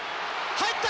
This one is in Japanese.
入った！